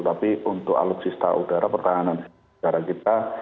tapi untuk alutsista udara pertahanan udara kita